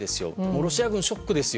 ロシア軍はショックですよ。